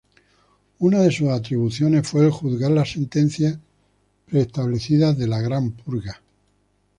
Una de sus atribuciones fue el juzgar las sentencias pre-establecidas de la Gran Purga.